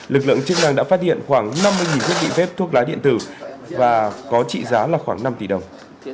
lực lượng chức năng đã phát hiện khoảng năm mươi thiết bị phép thuốc lá điện tử và có trị giá là khoảng năm tỷ đồng